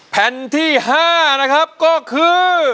แผ่นที่๕นะครับก็คือ